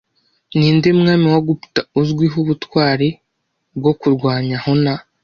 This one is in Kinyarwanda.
Ninde mwami wa Gupta uzwiho ubutwari bwo kurwanya Huna